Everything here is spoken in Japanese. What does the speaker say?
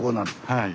はい。